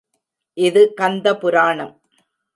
இது கந்த புராணம்.